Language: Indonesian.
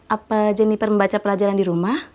apa jenniper membaca pelajaran di rumah